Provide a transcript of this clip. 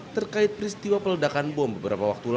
terkait peristiwa peledakan bom beberapa waktu lalu